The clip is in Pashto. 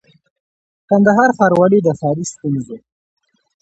کندهار ښاروالۍ د ښاري ستونزو